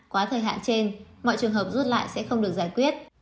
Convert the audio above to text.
quá thời hạn trên mọi trường hợp rút lại sẽ không được giải quyết